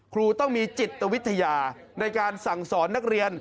ครูต้องมีจิตวิทยาในการสั่งสอนนักเรียน